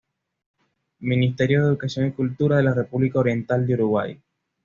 Ministerio de Educación y Cultura de la República Oriental del Uruguay.